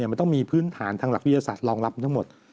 มันต้องมีพื้นฐานทางหลักวิทยาศาสตร์รองรับทั้งหมด